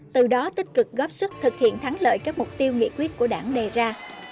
từ đó tích cực góp sức thực hiện thắng lợi các mục tiêu nghị quyết của đảng đề ra